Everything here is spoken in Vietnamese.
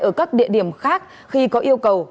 ở các địa điểm khác khi có yêu cầu